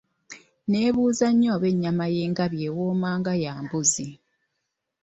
Neebuuza nnyo oba ennyama y'engabi nayo ewooma nga ya mbuzi.